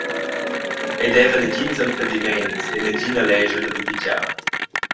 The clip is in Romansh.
Ei deva negins impediments e negina lescha da baghegiar.